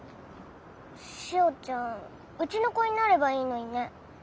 しおちゃんうちの子になればいいのにね。